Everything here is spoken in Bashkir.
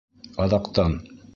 Аҙаҡтан!